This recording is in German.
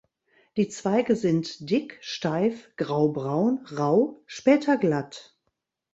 Die Zweige sind dick, steif, graubraun, rau, später glatt.